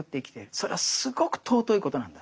それはすごく尊いことなんだって。